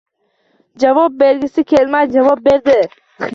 Javob bergisi kelmay javob berdi.